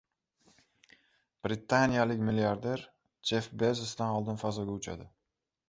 Britaniyalik milliarder Jeff Bezosdan oldin fazoga uchadi